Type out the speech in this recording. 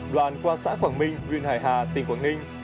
đoàn qua xã quảng minh nguyễn hải hà tỉnh quảng ninh